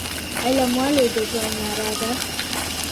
علم ولې د ژوند رڼا ده؟